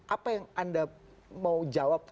apa yang anda mau jawab